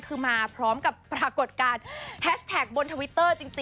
คือมาพร้อมกับปรากฏการณ์แฮชแท็กบนทวิตเตอร์จริง